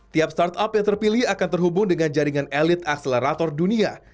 tiap startup yang terpilih akan terhubung dengan jaringan elit akselerator dunia